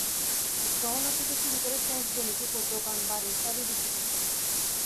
গহনা থেকে শুরু করে শেষ জমিটুকু, দোকান, বাড়ি সবই বিক্রি করতে হয়।